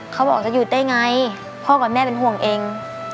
เขาบอกจะหยุดได้ไงพ่อกับแม่เป็นห่วงเอง